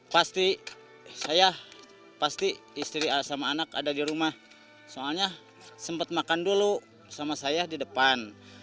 pasti saya pasti istri sama anak ada di rumah soalnya sempat makan dulu sama saya di depan